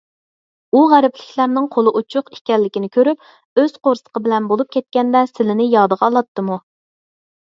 ئۇ غەربلىكلەرنىڭ قولى ئوچۇق ئىكەنلىكىنى كۆرۈپ، ئۆز قورسىقى بىلەن بولۇپ كەتكەندە سىلىنى يادىغا ئالاتتىمۇ؟